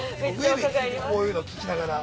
こういうの聞きながら。